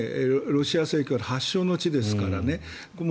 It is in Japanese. ロシア正教の発祥の地ですからね。